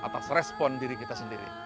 atas respon diri kita sendiri